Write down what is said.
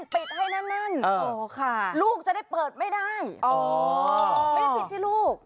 ปิดให้แน่นลูกจะได้เปิดไม่ได้ไม่ได้ปิดที่ลูก